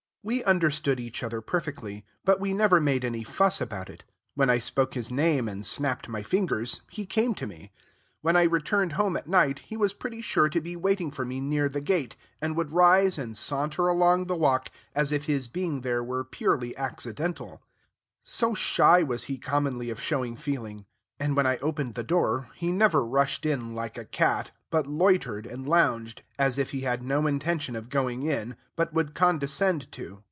We understood each other perfectly, but we never made any fuss about it; when I spoke his name and snapped my fingers, he came to me; when I returned home at night, he was pretty sure to be waiting for me near the gate, and would rise and saunter along the walk, as if his being there were purely accidental, so shy was he commonly of showing feeling; and when I opened the door, he never rushed in, like a cat, but loitered, and lounged, as if he had no intention of going in, but would condescend to.